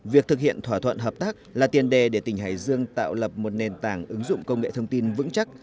việc thực hiện thỏa thuận hợp tác là tiền đề để tỉnh hải dương tạo lập một nền tảng ứng dụng công nghệ thông tin vững chắc